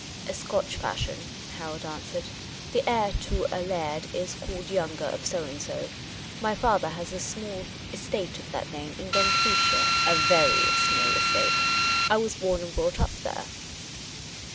" A Scotch fashion," Harold answered. " The heir to a laird is called Younger of so and so. My father has a small estate of that name in Dumfriesshire, — a very small estate ; I was born and brought up there."